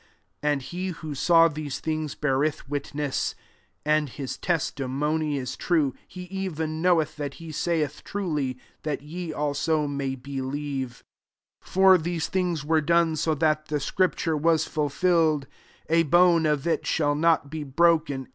35 And he who saw these things beareth witness; (and his testimony is true: he even knoweth that he saith truly;) that ye also may believe, 36 For these things were done, so that the scripture was fulfilled, "A bone of it shall not be brok en."